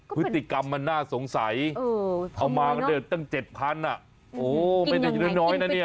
พฤติกรรมมันน่าสงสัยเอามาเดินตั้งเจ็ดพันอ่ะโอ้ไม่ได้กินน้อยน้อยนะเนี้ย